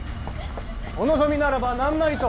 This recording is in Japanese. お望みならば何なりと！